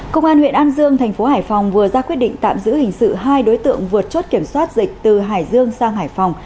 công an huyện an dương thành phố hải phòng vừa ra quyết định tạm giữ hình sự hai đối tượng vượt chốt kiểm soát dịch từ hải dương sang hải phòng